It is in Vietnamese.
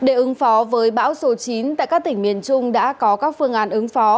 để ứng phó với bão số chín tại các tỉnh miền trung đã có các phương án ứng phó